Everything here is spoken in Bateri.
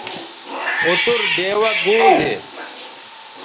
اوتر ڈیوہ گو دے